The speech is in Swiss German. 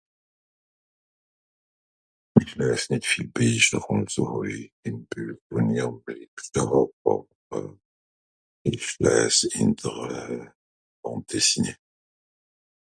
Ìch lèès nìt viel Bìecher ùn so. [inaudible] Ìch lèès ehnder euh... bandes dessinées.